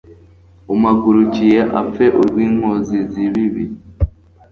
umpagurukiye apfe urw'inkozi z'ibibi